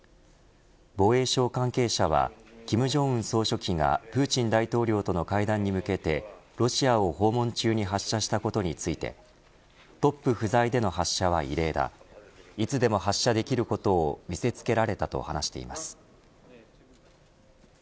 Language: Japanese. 防衛省関係者は、金正恩総書記がプーチン大統領との会談に向けてロシアを訪問中に発射したことについてトップ不在での発射は異例だいつでも発射できることを見せつけられたと話しています。